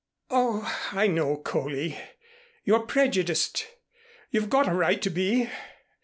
"Oh, I know, Coley. You're prejudiced. You've got a right to be.